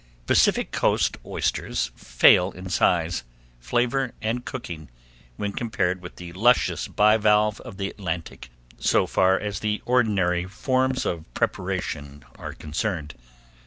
Pacific Coast oysters fail in size, flavor and cooking, when compared with the luscious bivalve of the Atlantic, so far as the ordinary forms of preparation is concerned.